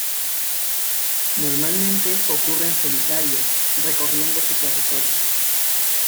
Normalmente ocurren solitarios, recorriendo su territorio.